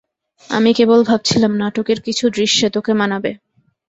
আমি কেবল ভাবছিলাম, নাটকের কিছু দৃশ্যে তোকে মানাবে।